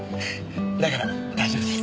だから大丈夫です。